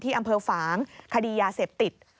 อำเภอฝางคดียาเสพติด